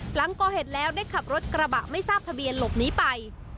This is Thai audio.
หลังก่อเหตุแล้วได้ขับรถกระบะไม่ทราบทะเบียนหลบหนีไป